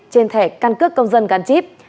trên thẻ căn cước công dân gắn chip